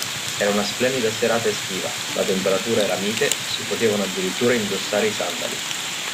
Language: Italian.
Era una splendida serata estiva, la temperatura era mite, si potevano addirittura indossare i sandali.